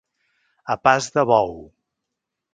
A pas de bou.